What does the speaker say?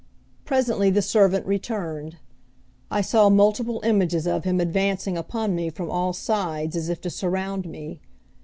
Presently the servant returned. I saw multiple images of him advancing upon me from all sides as if to surround me.